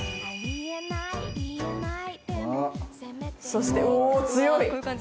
そしておお強い！